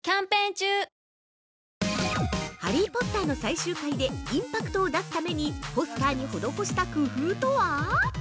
◆ハリー・ポッターの最終回でインパクトを出すためにポスターに施した工夫とは？